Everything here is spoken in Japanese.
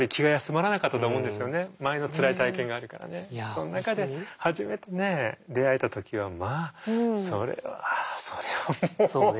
その中で初めてね出会えた時はまあそれはそれはもう。